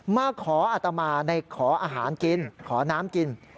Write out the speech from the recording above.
มาขออัตมาในขออาหารกินขอน้ำกิน